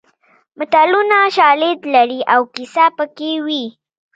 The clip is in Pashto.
متلونه شالید لري او کیسه پکې وي